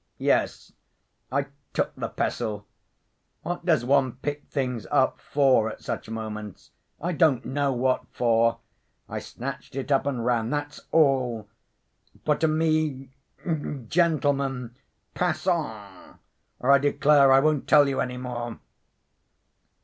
Yes, I took the pestle.... What does one pick things up for at such moments? I don't know what for. I snatched it up and ran—that's all. For to me, gentlemen, passons, or I declare I won't tell you any more."